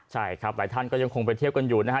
ใช่ครับหลายท่านก็ยังคงไปเที่ยวกันอยู่นะฮะ